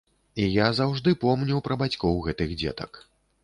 І я заўжды помню пра бацькоў гэтых дзетак.